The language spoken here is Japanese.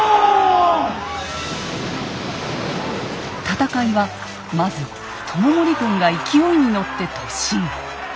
戦いはまず知盛軍が勢いに乗って突進。